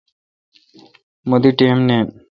مہ دی ٹئم نین۔